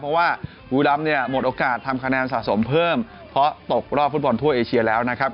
เพราะว่าบุรีรำเนี่ยหมดโอกาสทำคะแนนสะสมเพิ่มเพราะตกรอบฟุตบอลทั่วเอเชียแล้วนะครับ